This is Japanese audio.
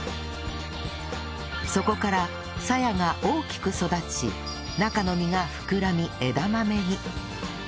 そこからさやが大きく育ち中の実が膨らみ枝豆に